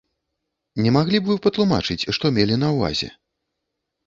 Не маглі б вы патлумачыць, што мелі на ўвазе?